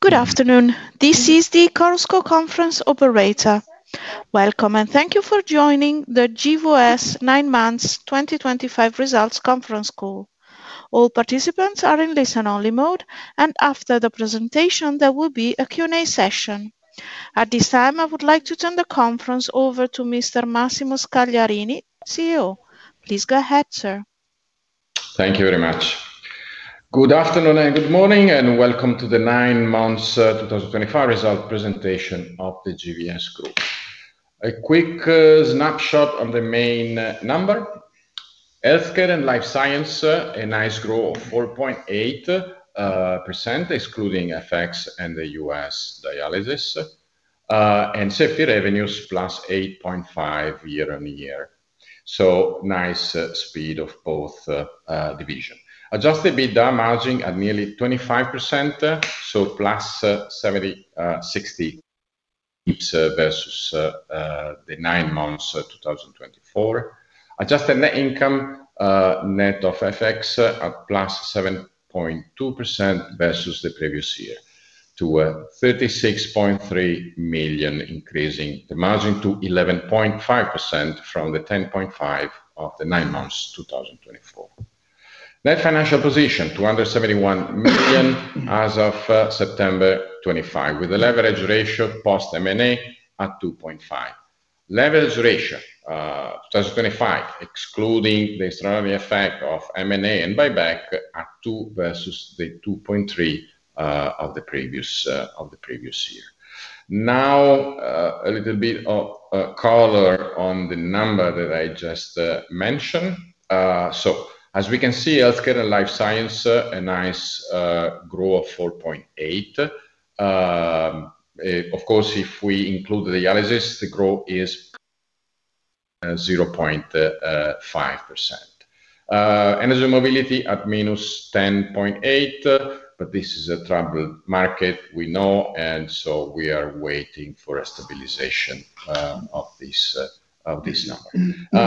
Good afternoon. This is the Conference Operator. Welcome, and thank you for joining the GVS Nine Months 2025 Results Conference Call. All participants are in listen-only mode, and after the presentation, there will be a Q&A session. At this time, I would like to turn the conference over to Mr. Massimo Scagliarini, CEO. Please go ahead, sir. Thank you very much. Good afternoon and good morning, and welcome to the Nine Months 2025 Results Presentation of the GVS Group. A quick snapshot on the main number: healthcare and life science, a nice growth of 4.8%, excluding FX and the US dialysis, and safety revenues plus 8.5% year-on-year. Nice speed of both divisions. Adjusted EBITDA margin at nearly 25%, plus 60% versus the Nine Months 2024. Adjusted net income, net of FX, at plus 7.2% versus the previous year, to 36.3 million, increasing the margin to 11.5% from the 10.5% of the Nine Months 2024. Net financial position, 271 million as of September 25, with a leverage ratio post-M&A at 2.5%. Leverage ratio 2025, excluding the astronomical effect of M&A and buyback, at 2% versus the 2.3% of the previous year. Now, a little bit of color on the number that I just mentioned. As we can see, healthcare and life science, a nice growth of 4.8%. Of course, if we include dialysis, the growth is 0.5%. Energy mobility at minus 10.8%, but this is a troubled market, we know, and we are waiting for a stabilization of this number.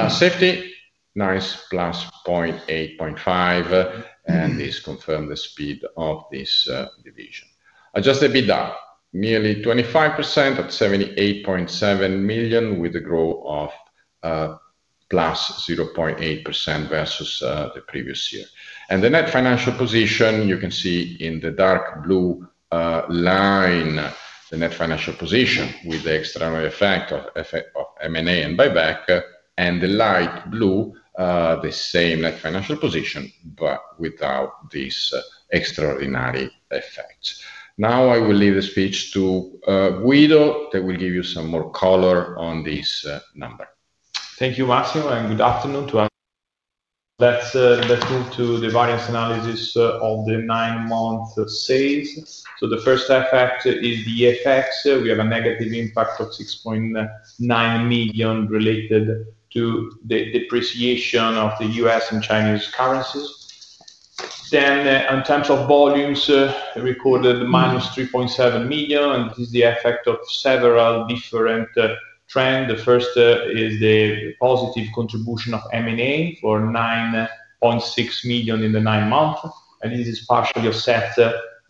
Safety, nice plus 0.8%, and this confirmed the speed of this division. Adjusted EBITDA, nearly 25% at 78.7 million, with a growth of plus 0.8% versus the previous year. The net financial position, you can see in the dark blue line, the net financial position with the extraordinary effect of M&A and buyback, and the light blue, the same net financial position, but without this extraordinary effect. Now I will leave the speech to Guido that will give you some more color on this number. Thank you, Massimo, and good afternoon to. Let's move to the variance analysis of the Nine Months sales. The first effect is the FX. We have a negative impact of 6.9 million related to the depreciation of the US dollar and Chinese yuan. In terms of volumes, recorded minus 3.7 million, and this is the effect of several different trends. The first is the positive contribution of M&A for 9.6 million in the Nine Months, and this is partially offset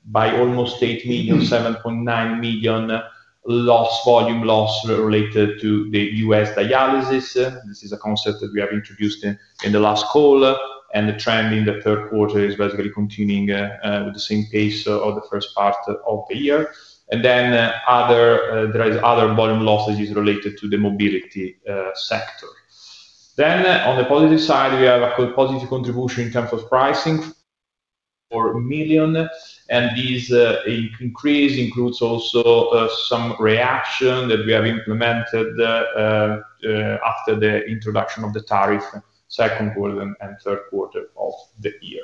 by almost 8 million, 7.9 million volume loss related to the US dialysis. This is a concept that we have introduced in the last call, and the trend in the third quarter is basically continuing with the same pace of the first part of the year. There are other volume losses related to the mobility sector. On the positive side, we have a positive contribution in terms of pricing for 1 million, and this increase includes also some reaction that we have implemented after the introduction of the tariff, second quarter and third quarter of the year.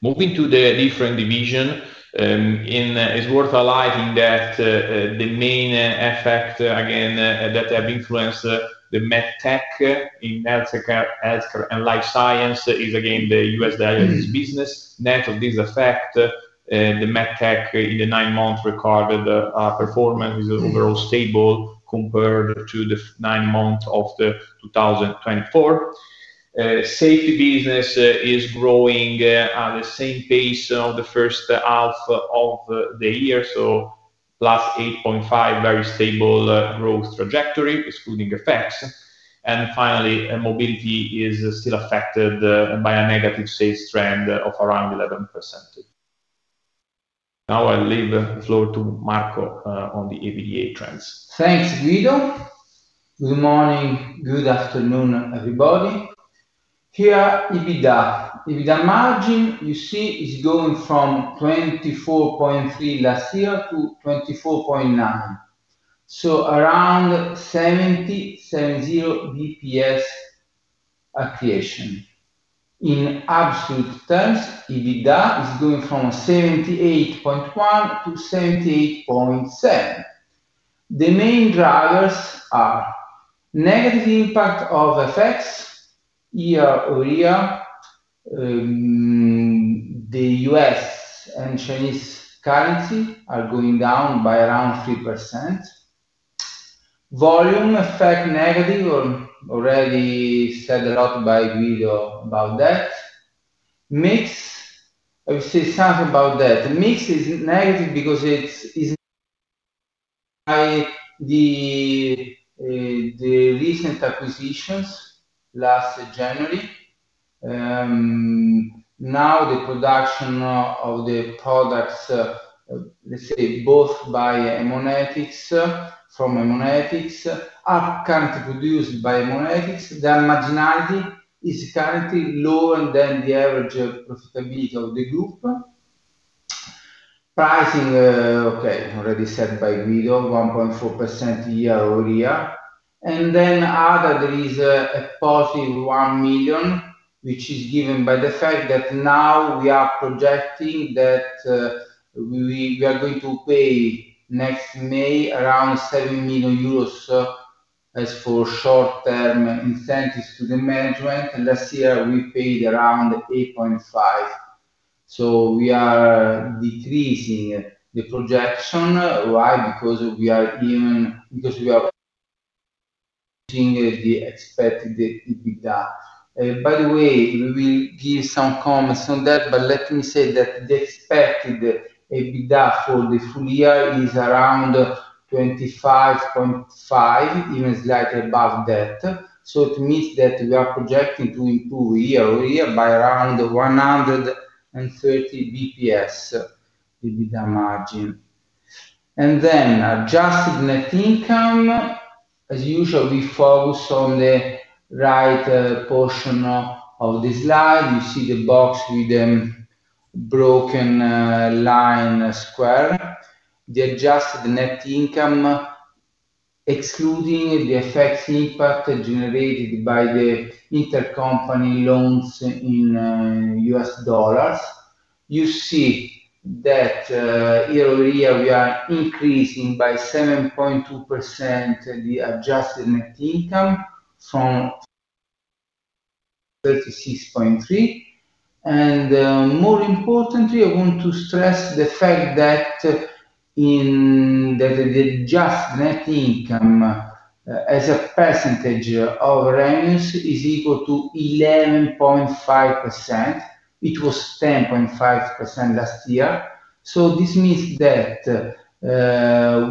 Moving to the different division, it is worth highlighting that the main effect, again, that have influenced the medtech in healthcare and life science is, again, the US dialysis business. Net of this effect, the medtech in the nine months recorded performance is overall stable compared to the nine months of 2024. Safety business is growing at the same pace of the first half of the year, so plus 8.5%, very stable growth trajectory, excluding FX. Finally, mobility is still affected by a negative sales trend of around 11%. Now I will leave the floor to Marco on the EBITDA trends. Thanks, Guido. Good morning, good afternoon, everybody. Here EBITDA, EBITDA margin, you see, is going from 24.3% last year to 24.9%. Around 70 basis points accretion. In absolute terms, EBITDA is going from 78.1 million to 78.7 million. The main drivers are negative impact of FX, year over year. The US and Chinese currency are going down by around 3%. Volume effect negative, already said a lot by Guido about that. Mix, I would say something about that. The mix is negative because it's by the recent acquisitions last January. Now the production of the products, let's say, both by Haemonetics, from Haemonetics, are currently produced by Haemonetics. The marginality is currently lower than the average profitability of the group. Pricing, okay, already said by Guido, 1.4% year over year. There is a positive 1 million, which is given by the fact that now we are projecting that we are going to pay next May around 7 million euros as for short-term incentives to the management. Last year, we paid around 8.5%. We are decreasing the projection. Why? Because we are using the expected EBITDA. By the way, we will give some comments on that, but let me say that the expected EBITDA for the full year is around 25.5%, even slightly above that. It means that we are projecting to improve year over year by around 130 basis points, EBITDA margin. Adjusted net income, as usual, we focus on the right portion of the slide. You see the box with the broken line square. The adjusted net income, excluding the effects and impact generated by the intercompany loans in US dollars. You see that year over year we are increasing by 7.2% the adjusted net income from 36.3%. More importantly, I want to stress the fact that the adjusted net income as a percentage of revenues is equal to 11.5%. It was 10.5% last year. This means that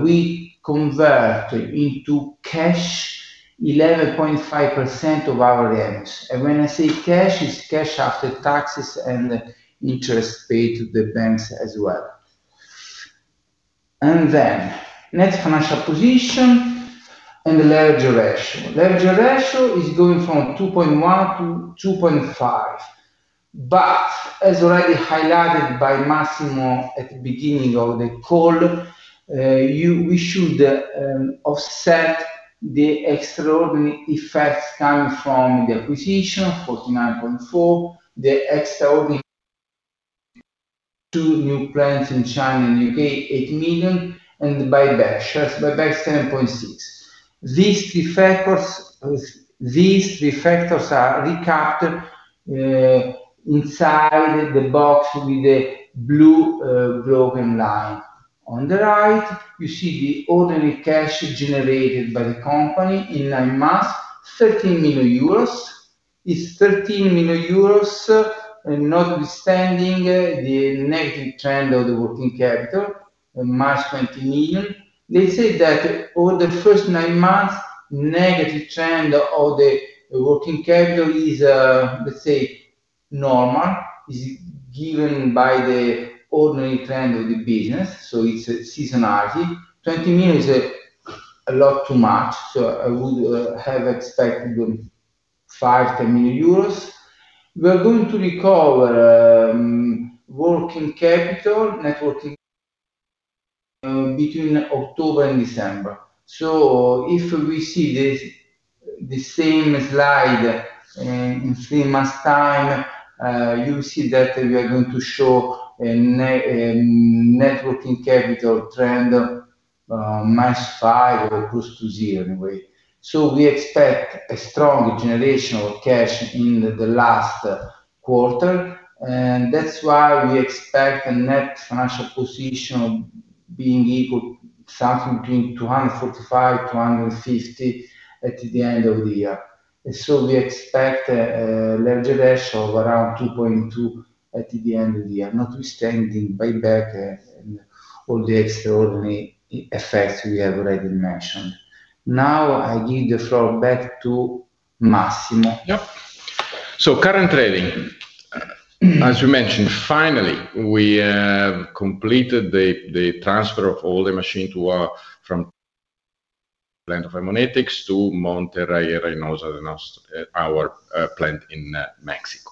we convert into cash 11.5% of our revenues. When I say cash, it's cash after taxes and interest paid to the banks as well. Net financial position and the leverage ratio. Leverage ratio is going from 2.1% to 2.5%. As already highlighted by Massimo at the beginning of the call, we should offset the extraordinary effects coming from the acquisition, 49.4%, the extraordinary new plants in China and the U.K., 8 million, and the buyback, shares buyback 7.6%. These three factors are recapped inside the box with the blue broken line. On the right, you see the ordinary cash generated by the company in nine months, 13 million euros. It is 13 million euros, notwithstanding the negative trend of the working capital, March 20 million. They say that over the first nine months, negative trend of the working capital is, let's say, normal, is given by the ordinary trend of the business. It is seasonality. 20 million is a lot, too much. I would have expected 5-10 million euros. We are going to recover working capital, networking between October and December. If we see the same slide in three months' time, you will see that we are going to show networking capital trend minus 5% or close to 0% anyway. We expect a strong generation of cash in the last quarter. That is why we expect a net financial position being equal to something between 245 million-250 million at the end of the year. We expect a leverage ratio of around 2.2% at the end of the year, notwithstanding buyback and all the extraordinary effects we have already mentioned. Now I give the floor back to Massimo. Yep. Current trading, as we mentioned, finally we have completed the transfer of all the machines from Haemonetics to Monterrey and Reynosa, our plant in Mexico.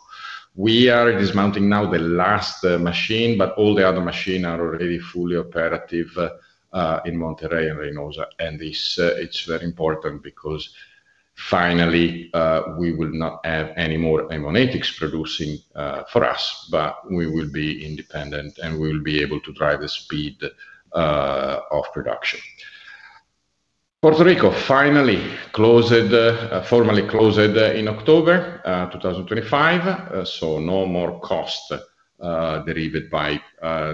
We are dismounting now the last machine, but all the other machines are already fully operative in Monterrey and Reynosa. It is very important because finally we will not have any more Haemonetics producing for us, but we will be independent and we will be able to drive the speed of production. Puerto Rico finally closed, formally closed in October 2025, so no more cost derivative by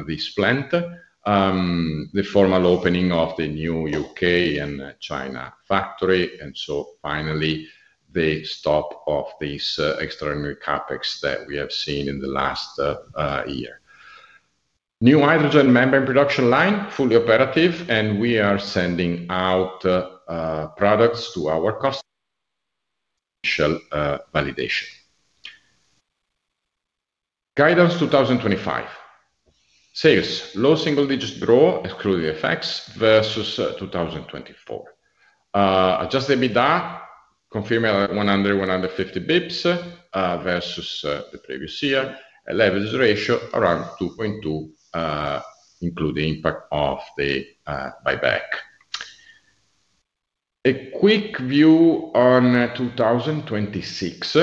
this plant. The formal opening of the new U.K. and China factory, and finally the stop of this extraordinary CapEx that we have seen in the last year. New hydrogen membrane production line, fully operative, and we are sending out products to our customers for initial validation. Guidance 2025. Sales, low single digit growth, excluding FX versus 2024. Adjusted EBITDA, confirming 100-150 basis points versus the previous year. Leverage ratio around 2.2%, including impact of the buyback. A quick view on 2026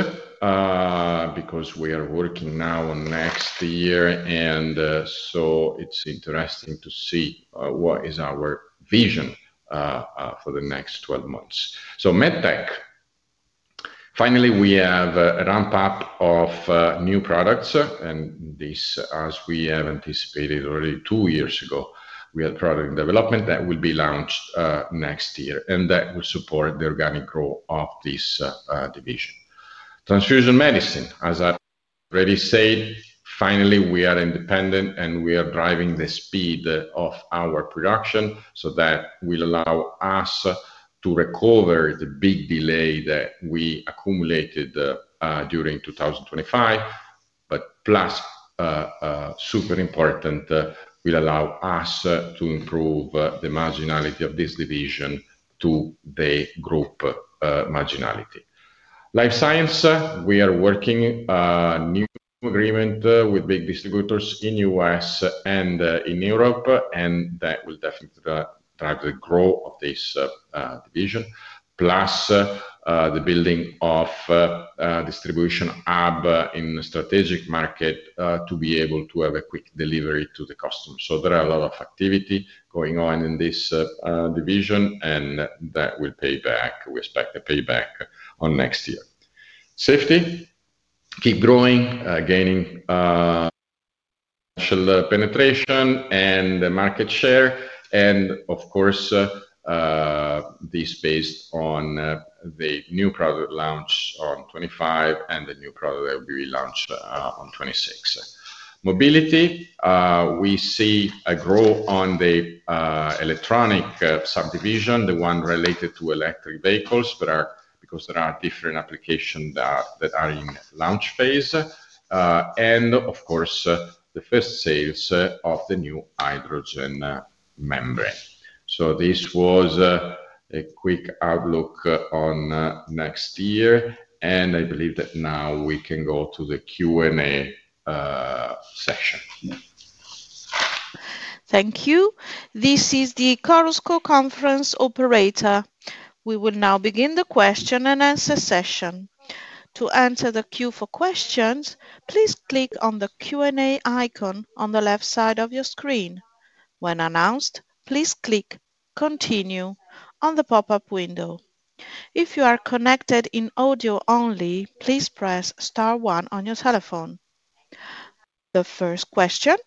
because we are working now on next year, and it is interesting to see what is our vision for the next 12 months. Medtech. Finally, we have a ramp-up of new products, and this, as we have anticipated already two years ago, we had product development that will be launched next year, and that will support the organic growth of this division. Transfusion medicine, as I already said, finally we are independent and we are driving the speed of our production so that will allow us to recover the big delay that we accumulated during 2025, but plus, super important, will allow us to improve the marginality of this division to the group marginality. Life science, we are working on a new agreement with big distributors in the U.S. and in Europe, and that will definitely drive the growth of this division, plus the building of distribution hub in strategic market to be able to have a quick delivery to the customer. There are a lot of activity going on in this division, and that will pay back. We expect the payback on next year. Safety, keep growing, gaining financial penetration and market share, and of course, this based on the new product launch on 2025 and the new product that will be launched on 2026. Mobility, we see a growth on the electronic subdivision, the one related to electric vehicles, because there are different applications that are in launch phase, and of course, the first sales of the new hydrogen membrane. This was a quick outlook on next year, and I believe that now we can go to the Q&A session. Thank you. This is the Carusco Conference Operator. We will now begin the question and answer session. To answer the queue for questions, please click on the Q&A icon on the left side of your screen. When announced, please click Continue on the pop-up window. If you are connected in audio only, please press star one on your telephone. The first question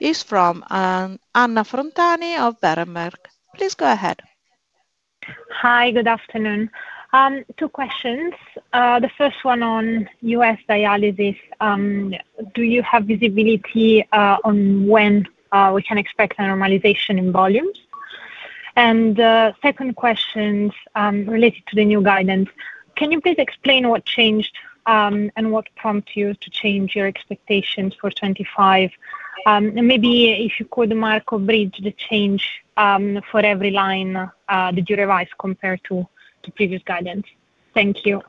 is from Anna Frontani of Berenberg. Please go ahead. Hi, good afternoon. Two questions. The first one on US dialysis, do you have visibility on when we can expect a normalization in volumes? Second question related to the new guidance. Can you please explain what changed and what prompted you to change your expectations for 2025? Maybe if you could, Marco, bridge the change for every line that you revised compared to the previous guidance. Thank you.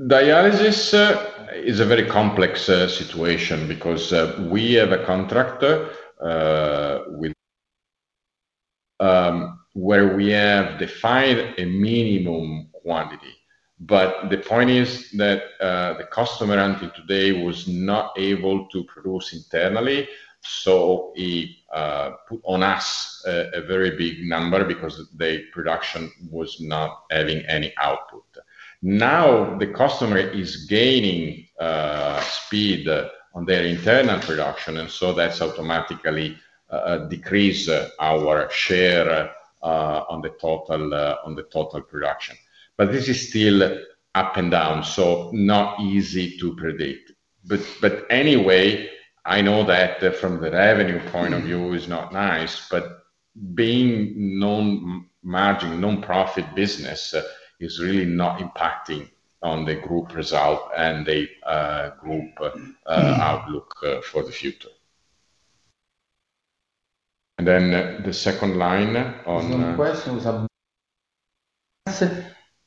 Dialysis is a very complex situation because we have a contract where we have defined a minimum quantity. The point is that the customer until today was not able to produce internally, so he put on us a very big number because the production was not having any output. Now the customer is gaining speed on their internal production, and so that has automatically decreased our share on the total production. This is still up and down, so not easy to predict. Anyway, I know that from the revenue point of view, it's not nice, but being non-margin, non-profit business is really not impacting on the group result and the group outlook for the future. And then the second line on. Two questions about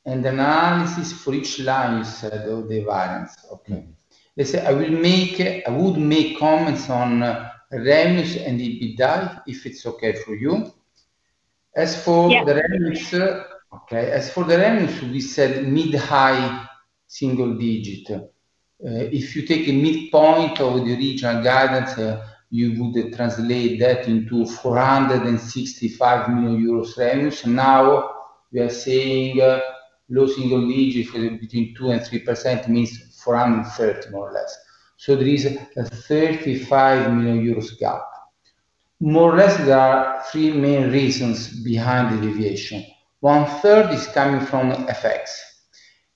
analysis for each line you said of the variance. Okay. I would make comments on revenues and EBITDA, if it's okay for you. As for the revenues, okay, as for the revenues, we said mid-high single digit. If you take a midpoint of the original guidance, you would translate that into 465 million euros revenues. Now we are seeing low single digit between 2% and 3% means 430 million, more or less. So there is a 35 million euros gap. More or less, there are three main reasons behind the deviation. One third is coming from FX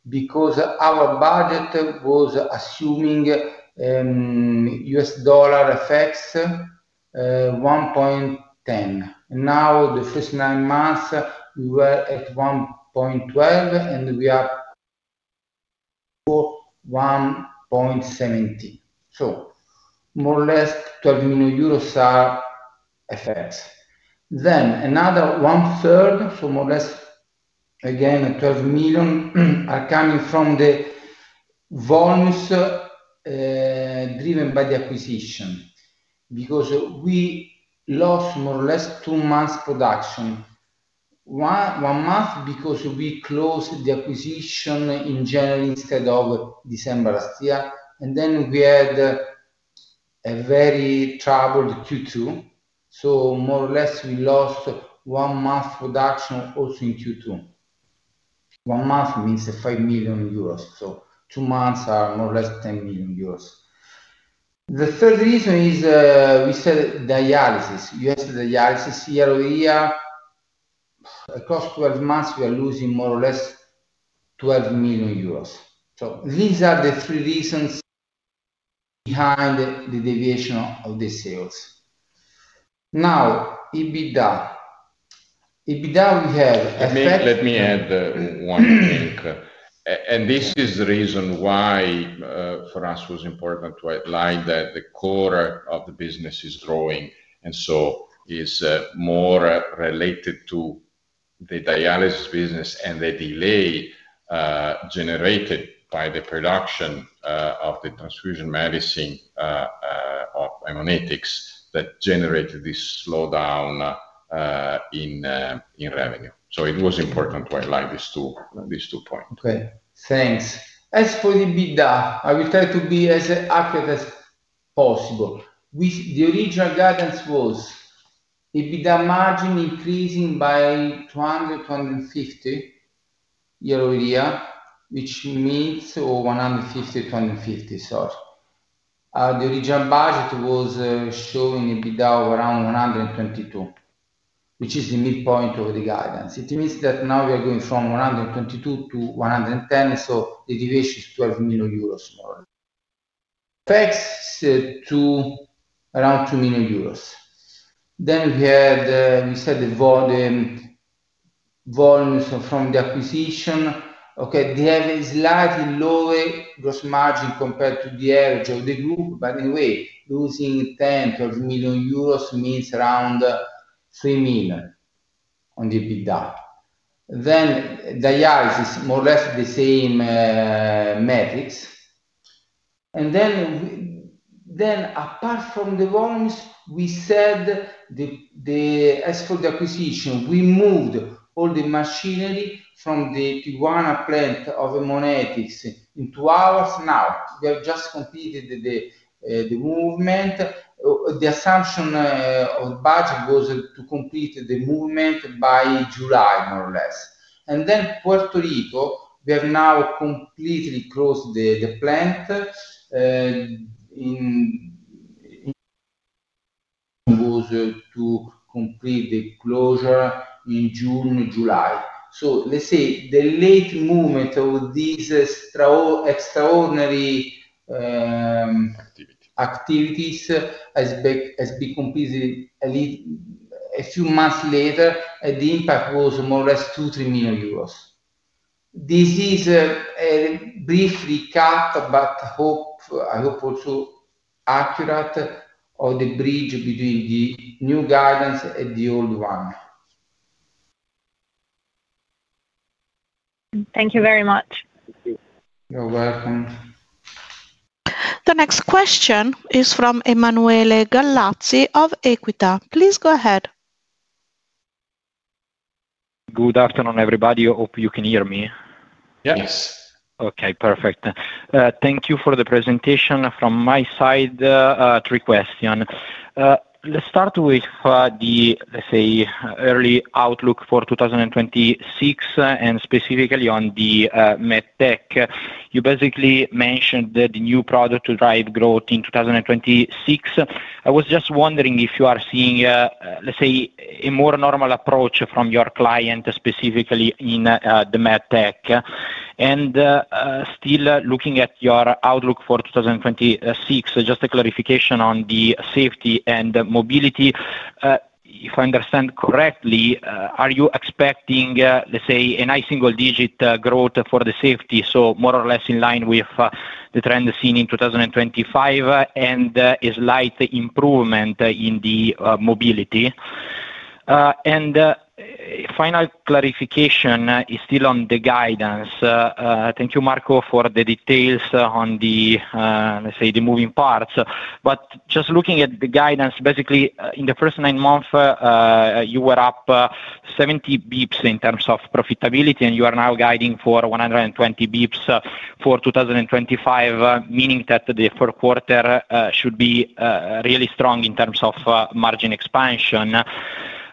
because our budget was assuming US dollar FX 1.10. Now, the first nine months, we were at 1.12, and we are at 1.17. So, more or less, 12 million euros are FX. Another one third, so more or less, again, 12 million are coming from the volumes driven by the acquisition because we lost more or less two months' production. One month because we closed the acquisition in January instead of December last year. We had a very troubled Q2. More or less, we lost one month's production also in Q2. One month means 5 million euros. Two months are more or less 10 million euros. The third reason is we said dialysis. You have to do dialysis year over year. Across 12 months, we are losing more or less 12 million euros. These are the three``` reasons behind the deviation of the sales. Now, EBITDA. EBITDA, we have effect. Let me add one thing. This is the reason why for us it was important to outline that the core of the business is growing, and so it is more related to the dialysis business and the delay generated by the production of the transfusion medicine of Haemonetics that generated this slowdown in revenue. It was important to outline these two points. Okay. Thanks. As for EBITDA, I will try to be as accurate as possible. The original guidance was EBITDA margin increasing by 200-250 year over year, which means or 150-250, sorry. The original budget was showing EBITDA of around 122 million, which is the midpoint of the guidance. It means that now we are going from 122 million to 110 million, so the deviation is 12 million euros more. FX to around 2 million euros. Then we said the volumes from the acquisition. Okay, they have a slightly lower gross margin compared to the average of the group, but anyway, losing 10 million euros, 12 million euros means around 3 million on EBITDA. Dialysis, more or less the same metrics. Apart from the volumes, we said as for the acquisition, we moved all the machinery from the Tijuana plant of Haemonetics into ours. Now, we have just completed the movement. The assumption of budget was to complete the movement by July, more or less. Puerto Rico, we have now completely closed the plant. It was to complete the closure in June, July. The late movement of these extraordinary activities has been completed a few months later, and the impact was more or less 2 million euros, 3 million euros. This is a brief recap, but I hope also accurate of the bridge between the new guidance and the old one. Thank you very much. You're welcome. The next question is from Emanuele Gallazzi of Equita. Please go ahead. Good afternoon, everybody. I hope you can hear me. Yes. Yes. Okay, perfect. Thank you for the presentation. From my side, three questions. Let's start with the, let's say, early outlook for 2026, and specifically on the medtech. You basically mentioned the new product to drive growth in 2026. I was just wondering if you are seeing, let's say, a more normal approach from your client, specifically in the medtech. Still looking at your outlook for 2026, just a clarification on the safety and mobility. If I understand correctly, are you expecting, let's say, a nice single-digit growth for the safety, so more or less in line with the trend seen in 2025, and a slight improvement in the mobility? Final clarification is still on the guidance. Thank you, Marco, for the details on the, let's say, the moving parts. Just looking at the guidance, basically, in the first nine months, you were up 70 basis points in terms of profitability, and you are now guiding for 120 basis points for 2025, meaning that the fourth quarter should be really strong in terms of margin expansion.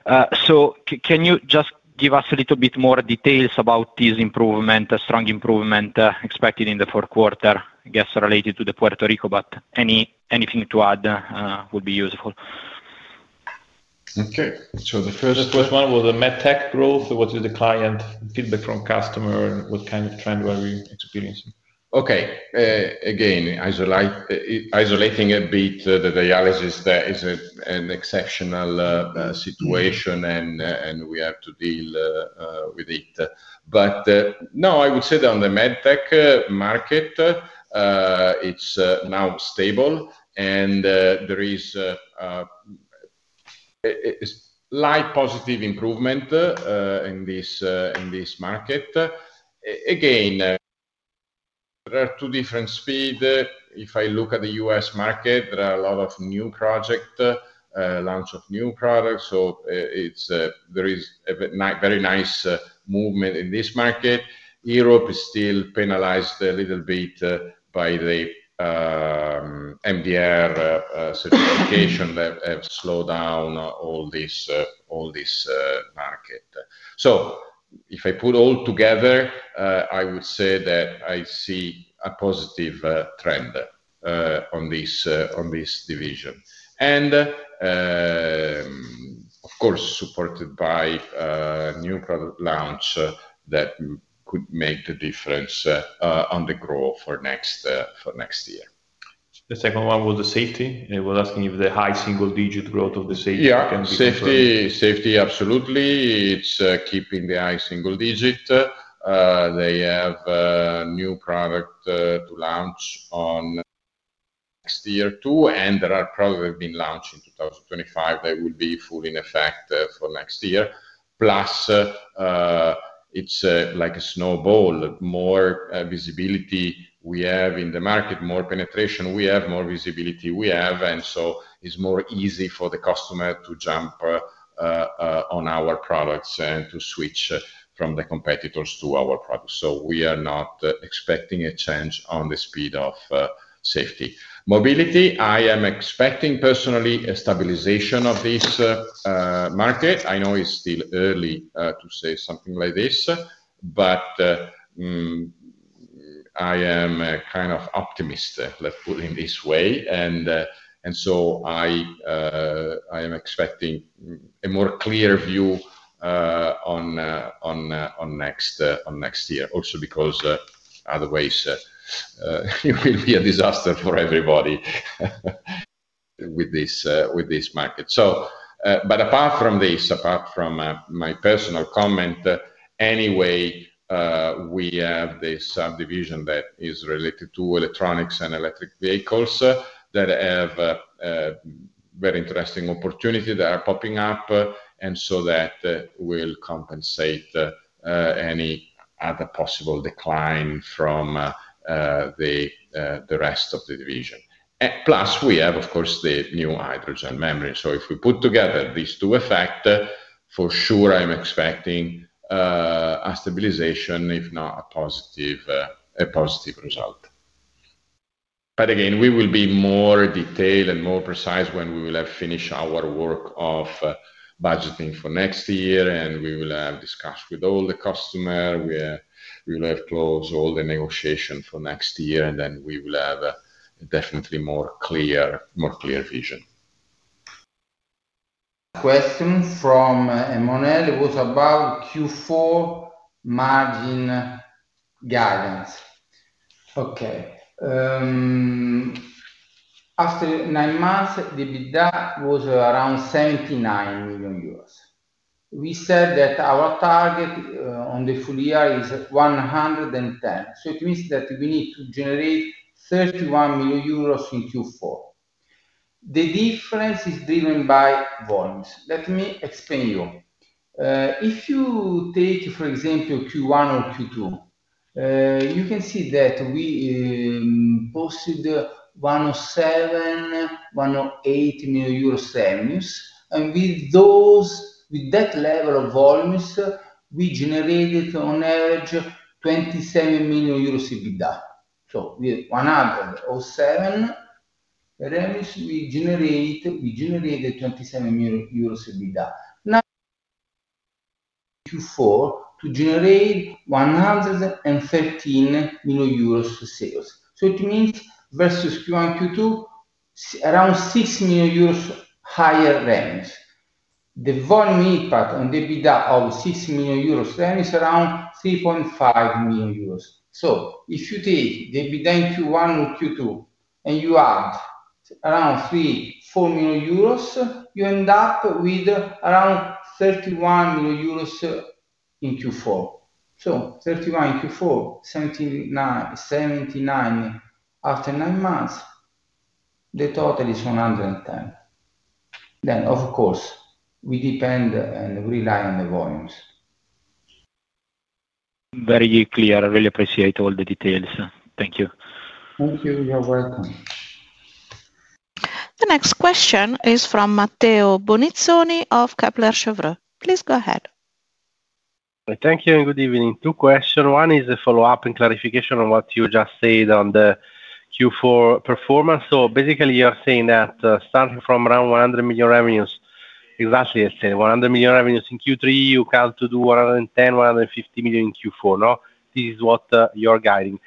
Can you just give us a little bit more details about this improvement, strong improvement expected in the fourth quarter, I guess related to the Puerto Rico, but anything to add would be useful. Okay. So, the first one was the medtech growth. What is the client feedback from customer? What kind of trend were we experiencing? Okay. Again, isolating a bit, the dialysis is an exceptional situation, and we have to deal with it. No, I would say that on the medtech market, it's now stable, and there is a slight positive improvement in this market. Again, there are two different speeds. If I look at the US market, there are a lot of new projects, launch of new products, so there is a very nice movement in this market. Europe is still penalized a little bit by the MDR certification that has slowed down all this market. If I put all together, I would say that I see a positive trend on this division. Of course, supported by new product launch that could make the difference on the growth for next year. The second one was the safety. They were asking if the high single-digit growth of the safety can be controlled. Yeah, safety, absolutely. It's keeping the high single digit. They have a new product to launch on next year too, and there are products that have been launched in 2025 that will be fully in effect for next year. Plus, it's like a snowball. More visibility we have in the market, more penetration we have, more visibility we have, and it's more easy for the customer to jump on our products and to switch from the competitors to our products. We are not expecting a change on the speed of safety. Mobility, I am expecting personally a stabilization of this market. I know it's still early to say something like this, but I am kind of optimistic, let's put it in this way. I am expecting a more clear view on next year, also because otherwise, it will be a disaster for everybody with this market. Apart from this, apart from my personal comment, anyway, we have this subdivision that is related to electronics and electric vehicles that have very interesting opportunities that are popping up, and so that will compensate any other possible decline from the rest of the division. Plus, we have, of course, the new hydrogen membrane. If we put together these two effects, for sure, I'm expecting a stabilization, if not a positive result. Again, we will be more detailed and more precise when we have finished our work of budgeting for next year, and we have discussed with all the customers. We will have closed all the negotiations for next year, and then we will have definitely a more clear vision. Question from Emanuele. It was about Q4 margin guidance. Okay. After nine months, EBITDA was around 79 million euros. We said that our target on the full year is 110 million. So, it means that we need to generate 31 million euros in Q4. The difference is driven by volumes. Let me explain you. If you take, for example, Q1 or Q2, you can see that we posted 107 million, 108 million euros revenues, and with that level of volumes, we generated on average 27 million euros EBITDA. So, 107 million revenues, we generated 27 million euros EBITDA. Now, Q4, to generate 113 million euros sales. So, it means versus Q1, Q2, around 6 million euros higher revenues. The volume impact on EBITDA of 6 million euros revenue is around 3.5 million euros. If you take the EBITDA in Q1 or Q2, and you add around 3 million-4 million euros, you end up with around 31 million euros in Q4. 31 in Q4, 79 after nine months, the total is 110. Of course, we depend and we rely on the volumes. Very clear. I really appreciate all the details. Thank you. Thank you. You're welcome. The next question is from Matteo Bonizzoni of Kepler Cheuvreux. Please go ahead. Thank you and good evening. Two questions. One is a follow-up and clarification on what you just said on the Q4 performance. Basically, you're saying that starting from around 100 million revenues, exactly as said, 100 million revenues in Q3, you have to do 110 million, 115 million in Q4, no? This is what you're guiding.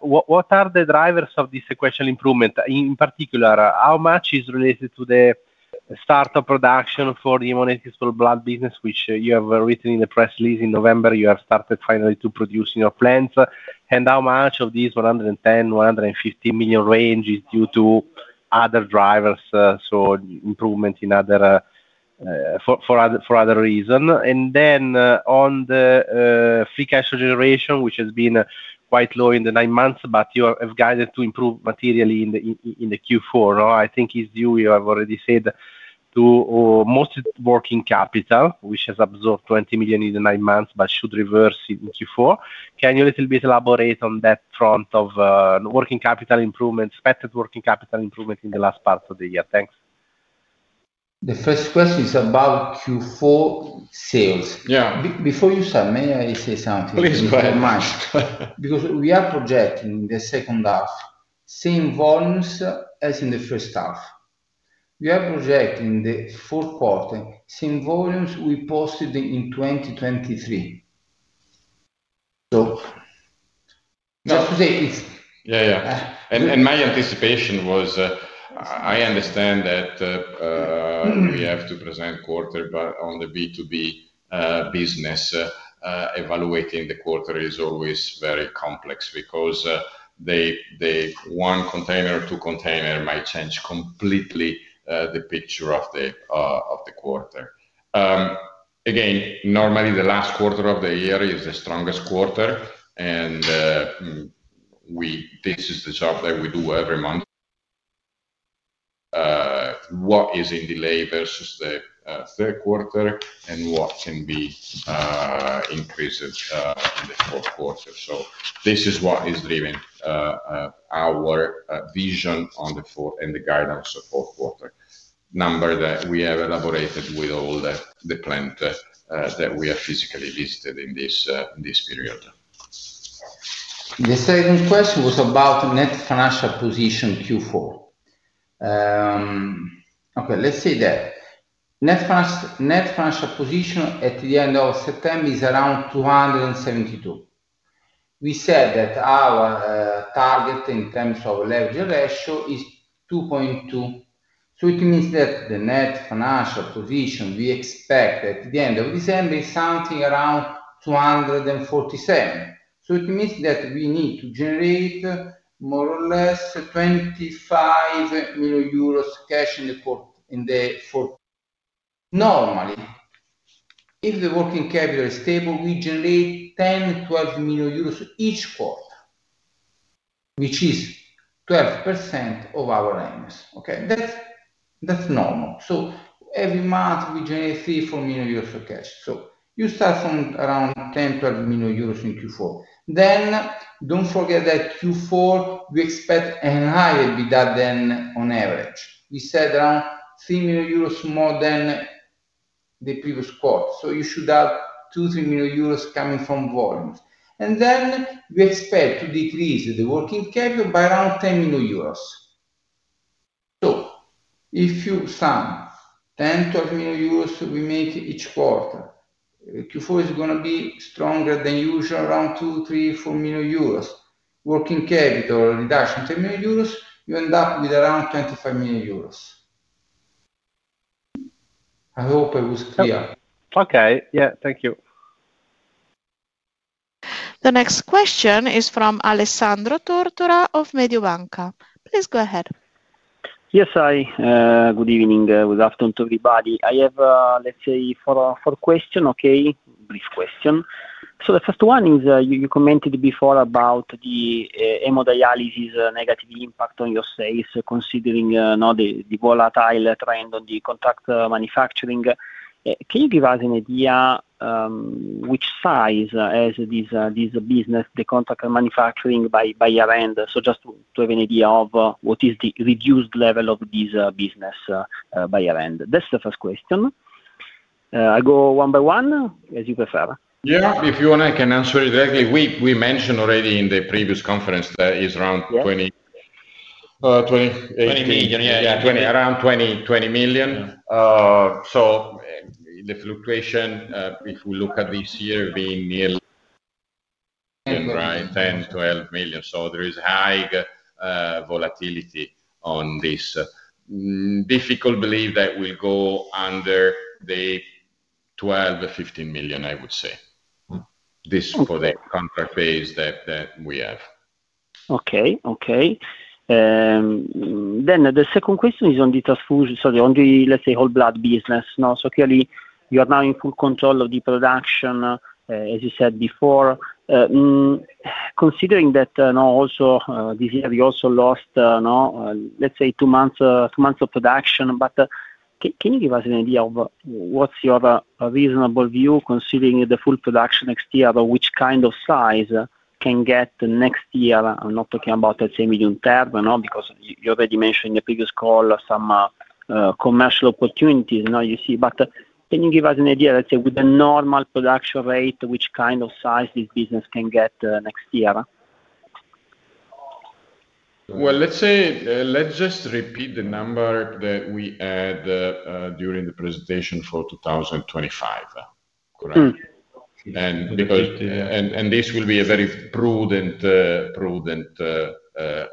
What are the drivers of this sequential improvement? In particular, how much is related to the startup production for the Haemonetics for the blood business, which you have written in the press release in November? You have started finally to produce in your plants. How much of this 110 million, 115 million range is due to other drivers, so improvement in other for other reasons? On the free cash generation, which has been quite low in the nine months, you have guided to improve materially in the Q4. I think it's due, you have already said, to mostly working capital, which has absorbed 20 million in the nine months but should reverse in Q4. Can you a little bit elaborate on that front of working capital improvement, expected working capital improvement in the last part of the year? Thanks. The first question is about Q4 sales. Before you submit, I say something. Please go ahead. Because we are projecting in the second half same volumes as in the first half. We are projecting in the fourth quarter same volumes we posted in 2023. Just to say it's. Yeah, yeah. My anticipation was I understand that we have to present quarter, but on the B2B business, evaluating the quarter is always very complex because one container or two containers might change completely the picture of the quarter. Normally, the last quarter of the year is the strongest quarter, and this is the job that we do every month. What is in delay versus the third quarter, and what can be increased in the fourth quarter? This is what is driving our vision on the fourth and the guidance of fourth quarter number that we have elaborated with all the plants that we have physically visited in this period. The second question was about net financial position Q4. Okay, let's say that net financial position at the end of September is around 272 million. We said that our target in terms of leverage ratio is 2.2. So, it means that the net financial position we expect at the end of December is something around 247 million. So, it means that we need to generate more or less 25 million euros cash in the fourth. Normally, if the working capital is stable, we generate 10-12 million euros each quarter, which is 12% of our revenues. Okay? That's normal. Every month, we generate 3 million, 4 million euros of cash. You start from around 10 million euros, 12 million euros in Q4. Don't forget that Q4, we expect a higher EBITDA than on average. We said around 3 million euros more than the previous quarter. You should have 2 million, 3 million euros coming from volumes. We expect to decrease the working capital by around 10 million euros. If you sum the 10 million, 12 million euros we make each quarter, Q4 is going to be stronger than usual, around 2 million, 3 million, 4 million euros. Working capital reduction 10 million euros, you end up with around 25 million euros. I hope I was clear. Okay. Yeah. Thank you. The next question is from Alessandro Tortora of Mediobanca. Please go ahead. Yes, hi. Good evening. Good afternoon to everybody. I have, let's say, four questions, okay? Brief question. The first one is you commented before about the EMO dialysis negative impact on your sales, considering the volatile trend on the contract manufacturing. Can you give us an idea which size has this business, the contract manufacturing by year-end? Just to have an idea of what is the reduced level of this business by year-end. That's the first question. I go one by one, as you prefer. Yeah. If you want, I can answer it directly. We mentioned already in the previous conference that it's around 20. 20 million. Yeah, yeah. Twenty. Around EUR 20 million. The fluctuation, if we look at this year, being nearly 10 million-12 million. There is high volatility on this. Difficult to believe that we'll go under 12 million-15 million, I would say, for the contract phase that we have. Okay. Okay. The second question is on the transfusion, sorry, on the, let's say, whole blood business. Clearly, you are now in full control of the production, as you said before. Considering that also this year, you also lost, let's say, two months of production, can you give us an idea of what's your reasonable view, considering the full production next year, which kind of size can get next year? I'm not talking about, let's say, medium term because you already mentioned in the previous call some commercial opportunities you see. Can you give us an idea, let's say, with a normal production rate, which kind of size this business can get next year? Let's just repeat the number that we had during the presentation for 2025, correct? This will be a very prudent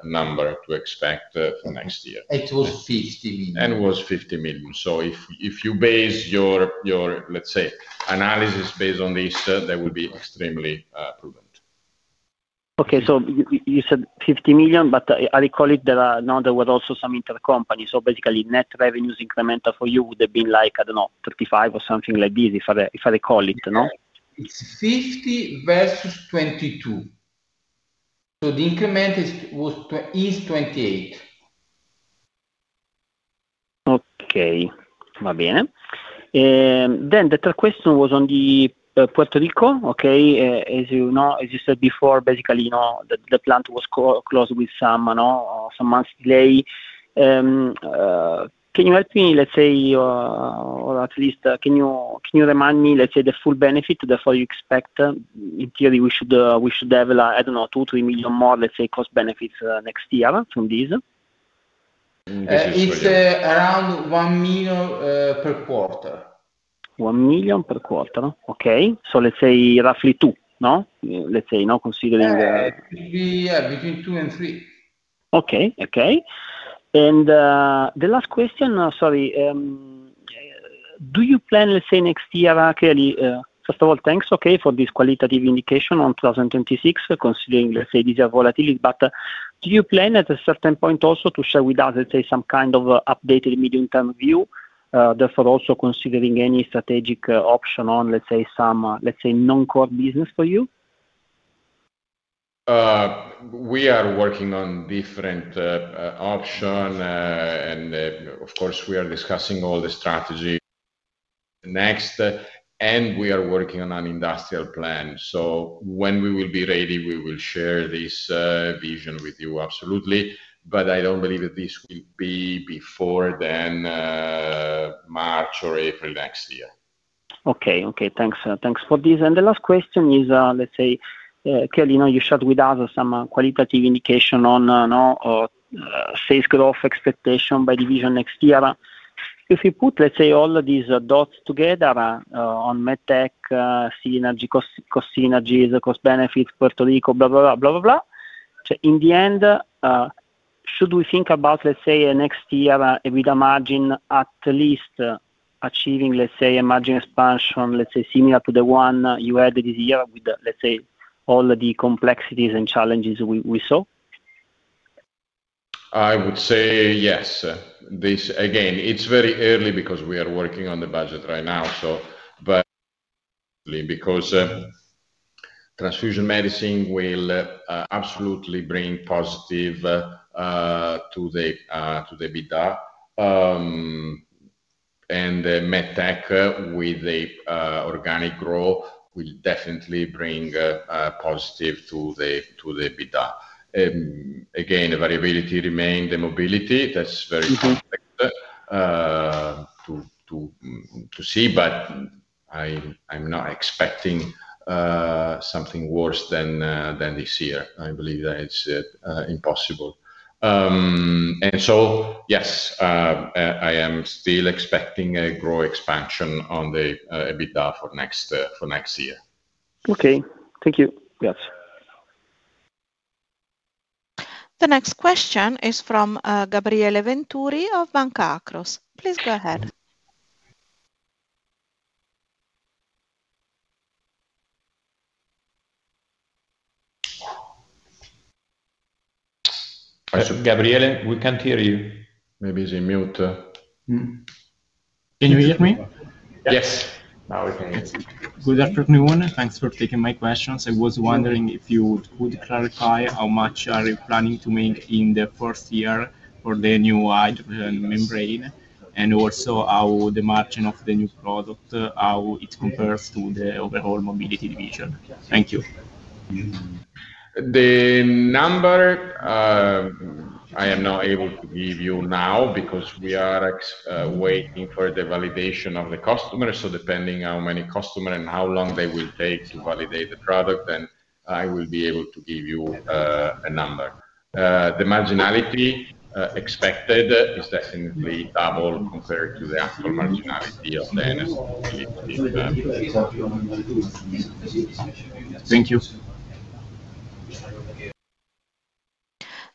number to expect for next year. It was 50 million. It was 50 million. If you base your, let's say, analysis based on this, that would be extremely prudent. Okay. You said 50 million, but I recall that there were also some intercompany. Basically, net revenues incremental for you would have been like, I do not know, 35 million or something like this, if I recall it, no? It's 50 versus 22. So, the increment is 28. Okay. Va bene. The third question was on Puerto Rico. As you said before, basically, the plant was closed with some months' delay. Can you help me, let's say, or at least, can you remind me, let's say, the full benefit that you expect? In theory, we should have, I don't know, 2 million-3 million more, let's say, cost benefits next year from this. It's around 1 million per quarter. 1 million per quarter. Okay. Let's say, roughly 2 million, no? Let's say, considering. Yeah. Between 2 and 3. Okay. Okay. The last question, sorry, do you plan, let's say, next year, clearly, first of all, thanks, okay, for this qualitative indication on 2026, considering, let's say, these are volatilities, but do you plan at a certain point also to share with us, let's say, some kind of updated medium-term view, therefore also considering any strategic option on, let's say, some, let's say, non-core business for you? We are working on different options, and of course, we are discussing all the strategy next, and we are working on an industrial plan. When we will be ready, we will share this vision with you, absolutely. I do not believe that this will be before March or April next year. Okay. Thanks for this. The last question is, let's say, clearly, you shared with us some qualitative indication on sales growth expectation by division next year. If we put, let's say, all these dots together on MedTech, cost synergies, cost benefits, Puerto Rico, blah, blah, blah, blah, blah, in the end, should we think about, let's say, next year, EBITDA margin at least achieving, let's say, a margin expansion, let's say, similar to the one you had this year with, let's say, all the complexities and challenges we saw? I would say yes. Again, it's very early because we are working on the budget right now, but because transfusion medicine will absolutely bring positive to the EBITDA, and MedTech with the organic growth will definitely bring positive to the EBITDA. Again, variability remains the mobility. That's very complex to see, but I'm not expecting something worse than this year. I believe that it's impossible. Yes, I am still expecting a growth expansion on the EBITDA for next year. Okay. Thank you. Yes. The next question is from Gabriele Venturi of Banca Akros. Please go ahead. Gabriele, we can't hear you. Maybe it's in mute. Can you hear me? Yes. Now we can hear you. Good afternoon. Thanks for taking my questions. I was wondering if you would clarify how much are you planning to make in the first year for the new membrane, and also how the margin of the new product, how it compares to the overall mobility division. Thank you. The number, I am not able to give you now because we are waiting for the validation of the customers. Depending on how many customers and how long they will take to validate the product, then I will be able to give you a number. The marginality expected is definitely double compared to the actual marginality of the NS mobility division. Thank you.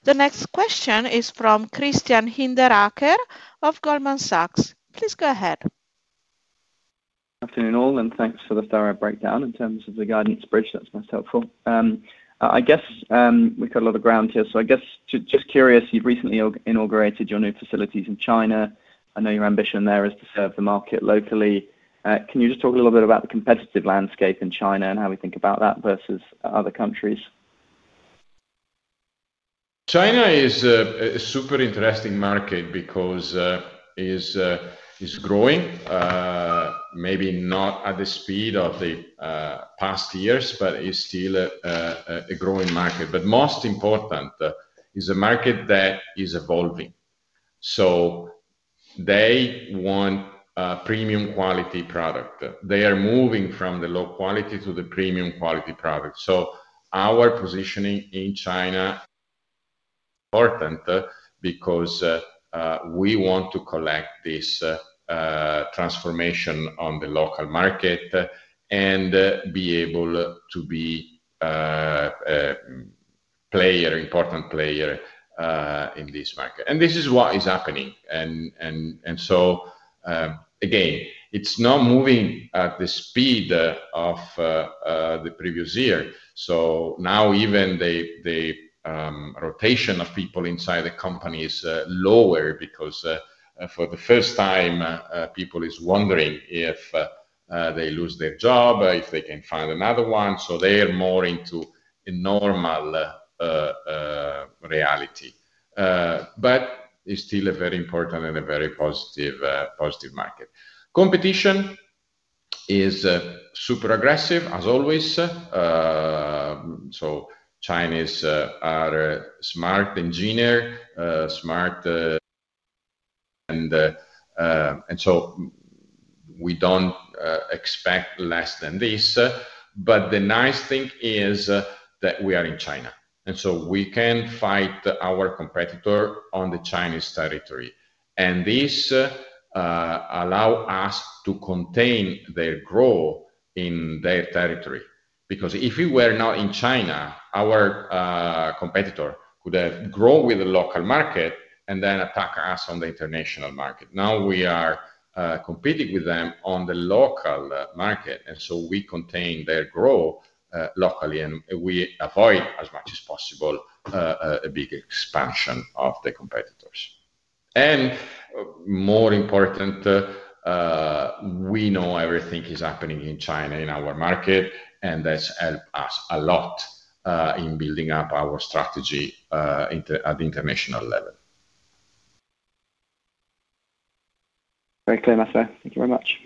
The next question is from Christian Hinderaker of Goldman Sachs. Please go ahead. Good afternoon all, and thanks for the thorough breakdown in terms of the guidance bridge. That's most helpful. I guess we've got a lot of ground here. I guess, just curious, you've recently inaugurated your new facilities in China. I know your ambition there is to serve the market locally. Can you just talk a little bit about the competitive landscape in China and how we think about that versus other countries? China is a super interesting market because it's growing, maybe not at the speed of the past years, but it's still a growing market. Most important, it is a market that is evolving. They want a premium quality product. They are moving from the low quality to the premium quality product. Our positioning in China is important because we want to collect this transformation on the local market and be able to be a player, important player in this market. This is what is happening. Again, it's not moving at the speed of the previous year. Now even the rotation of people inside the company is lower because for the first time, people are wondering if they lose their job, if they can find another one. They are more into a normal reality. It is still a very important and a very positive market. Competition is super aggressive, as always. Chinese are smart engineers, smart. We do not expect less than this. The nice thing is that we are in China. We can fight our competitor on the Chinese territory. This allows us to contain their growth in their territory. If we were not in China, our competitor could have grown with the local market and then attack us on the international market. Now, we are competing with them on the local market. We contain their growth locally, and we avoid as much as possible a big expansion of the competitors. More important, we know everything is happening in China in our market, and that helps us a lot in building up our strategy at the international level. Very clear, Master. Thank you very much.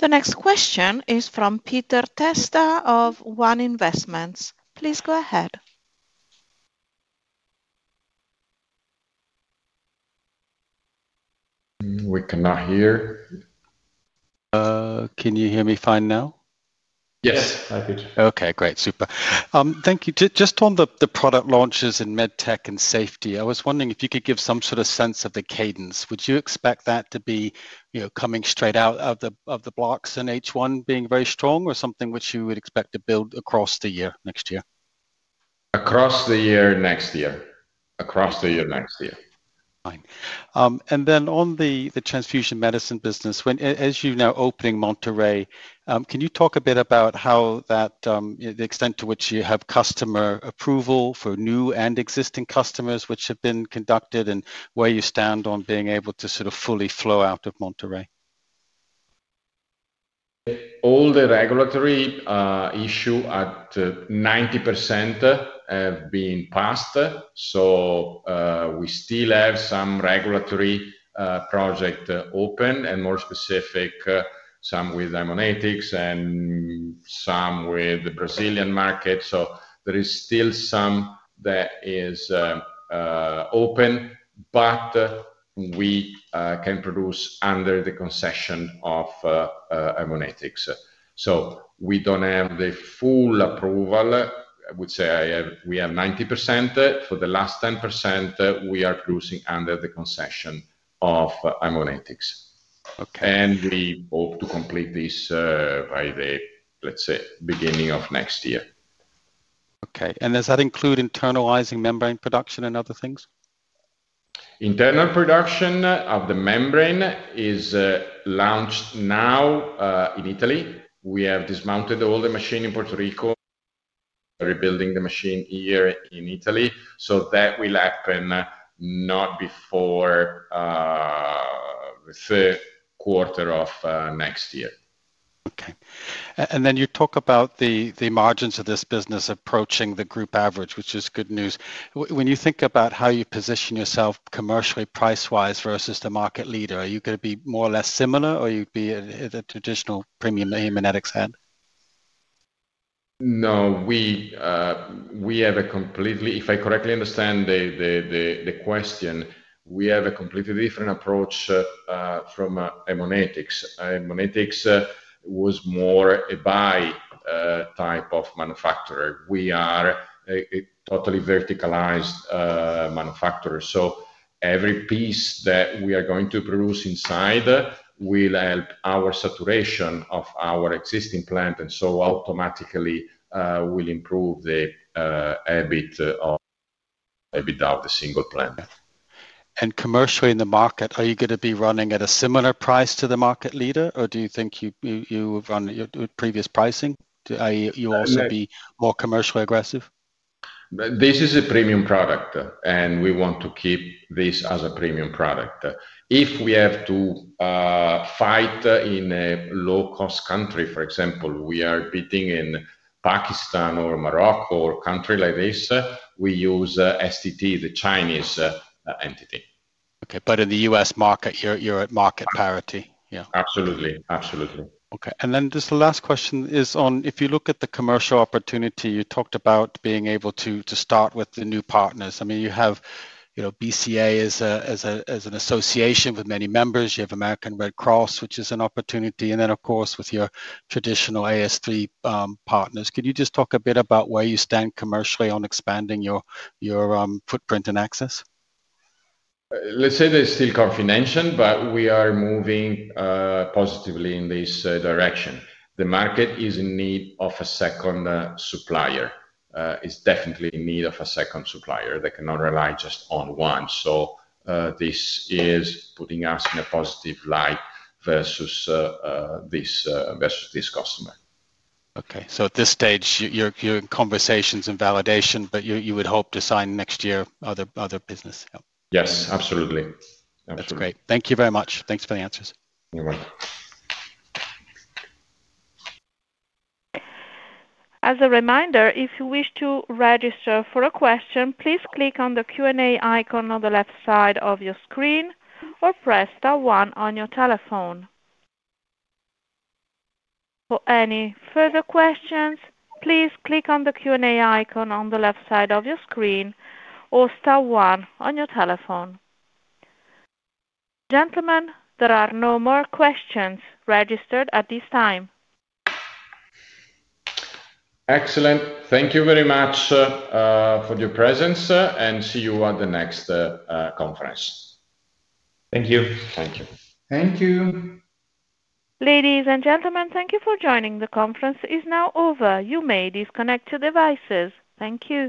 The next question is from Peter Testa of One Investments. Please go ahead. We cannot hear. Can you hear me fine now? Yes. Okay. Great. Super. Thank you. Just on the product launches in MedTech and safety, I was wondering if you could give some sort of sense of the cadence. Would you expect that to be coming straight out of the blocks in H1 being very strong or something which you would expect to build across the year next year? Across the year next year. Fine. On the transfusion medicine business, as you're now opening Monterrey, can you talk a bit about how the extent to which you have customer approval for new and existing customers which have been conducted and where you stand on being able to sort of fully flow out of Monterrey? All the regulatory issues at 90% have been passed. We still have some regulatory projects open and, more specifically, some with Haemonetics and some with the Brazilian market. There is still some that is open, but we can produce under the concession of Haemonetics. We do not have the full approval. I would say we have 90%. For the last 10%, we are producing under the concession of Haemonetics. We hope to complete this by the, let's say, beginning of next year. Okay. Does that include internalizing membrane production and other things? Internal production of the membrane is launched now in Italy. We have dismounted all the machine in Puerto Rico, rebuilding the machine here in Italy. That will happen not before the third quarter of next year. Okay. And then you talk about the margins of this business approaching the group average, which is good news. When you think about how you position yourself commercially, price-wise versus the market leader, are you going to be more or less similar or you'd be a traditional premium Haemonetics end? No, we have a completely—if I correctly understand the question—we have a completely different approach from Haemonetics. Haemonetics was more a buy type of manufacturer. We are a totally verticalized manufacturer. So, every piece that we are going to produce inside will help our saturation of our existing plant. And so, automatically, we'll improve the EBITDA of the single plant. Commercially in the market, are you going to be running at a similar price to the market leader, or do you think you would run at previous pricing? Yes. You'll also be more commercially aggressive? This is a premium product, and we want to keep this as a premium product. If we have to fight in a low-cost country, for example, we are bidding in Pakistan or Morocco or a country like this, we use STT, the Chinese entity. Okay. In the US market, you're at market parity. Yeah. Absolutely. Absolutely. Okay. And then just the last question is on if you look at the commercial opportunity, you talked about being able to start with the new partners. I mean, you have BCA as an association with many members. You have American Red Cross, which is an opportunity. And then, of course, with your traditional AS3 partners. Could you just talk a bit about where you stand commercially on expanding your footprint and access? Let's say there's still confidential, but we are moving positively in this direction. The market is in need of a second supplier. It's definitely in need of a second supplier. They cannot rely just on one. This is putting us in a positive light versus this customer. Okay. At this stage, your conversation's in validation, but you would hope to sign next year other business. Yes. Absolutely. Absolutely. That's great. Thank you very much. Thanks for the answers. You're welcome. As a reminder, if you wish to register for a question, please click on the Q&A icon on the left side of your screen or press star one on your telephone. For any further questions, please click on the Q&A icon on the left side of your screen or star one on your telephone. Gentlemen, there are no more questions registered at this time. Excellent. Thank you very much for your presence, and see you at the next conference. Thank you. Thank you. Thank you. Ladies and gentlemen, thank you for joining. The conference is now over. You may disconnect your devices. Thank you.